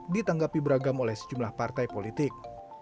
ditanggapi beragam oleh sejumlah partai politik